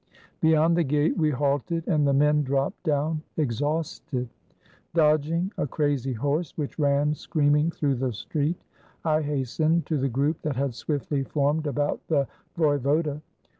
Beyond the gate we halted, and the men dropped down, exhausted. Dodging a crazy horse which ran screaming through the street, I hastened to the group that had swiftly formed about the voivode.